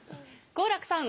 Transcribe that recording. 好楽さん